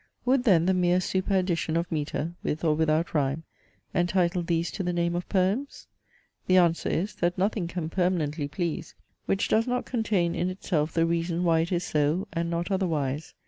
Would then the mere superaddition of metre, with or without rhyme, entitle these to the name of poems? The answer is, that nothing can permanently please, which does not contain in itself the reason why it is so, and not otherwise.